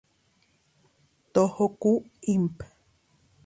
Tohoku Imp.